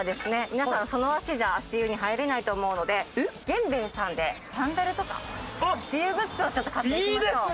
皆さんその足じゃ足湯に入れないと思うのでげんべいさんでサンダルとか足湯グッズをちょっと買っていきましょう。